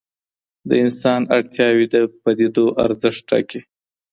د انسان اړتیاوې د پدیدو ارزښت ټاکي.